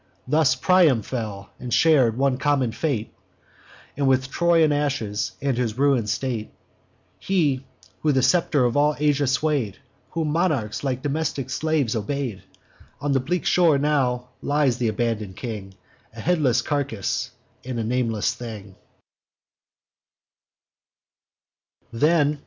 Thus Priam fell, and shar'd one common fate With Troy in ashes, and his ruin'd state: He, who the scepter of all Asia sway'd, Whom monarchs like domestic slaves obey'd. On the bleak shore now lies th' abandon'd king, A headless carcass, and a nameless thing.